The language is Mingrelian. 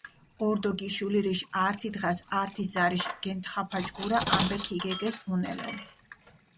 ორდო გიშულირიშ ართი დღას ართი ზარიშ გენთხაფაჯგურა ამბე ქიგეგეს უნელო.